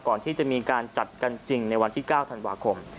ก่อนที่จะมีการจัดกันจริงในวันที่๙ธันวาคม